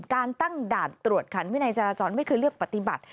การตั้งด่านตรวจขันวินัยจราจรไม่เคยเลือกปฏิบัติ